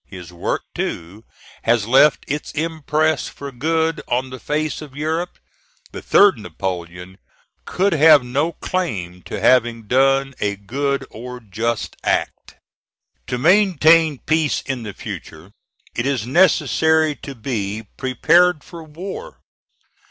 His work, too, has left its impress for good on the face of Europe. The third Napoleon could have no claim to having done a good or just act. To maintain peace in the future it is necessary to be prepared for war.